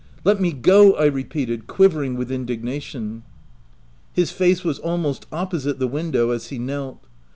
" Let me go !" I repeated, quivering with in dignation. His face was almost opposite the window as he knelt.